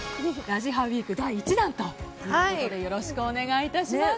「ラジハ」ウィーク第１弾ということでよろしくお願い致します。